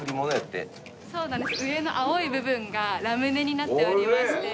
上の青い部分がラムネになっておりまして。